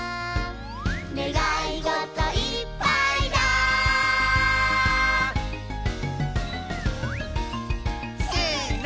「ねがいごといっぱいだ」せの！